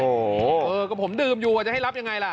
เออก็ผมดื่มอยู่จะให้รับอย่างไรล่ะ